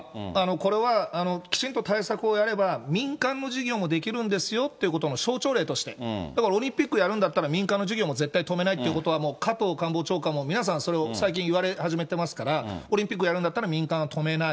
これはきちんと対策をやれば、民間の事業もできるんですよということの象徴例として、だからオリンピックやるんだったら、民間の事業も絶対止めないっていうことは、もう加藤官房長官も、皆さん、それを最近言われ始めてますから、オリンピックをやるんだったら、民間は止めない。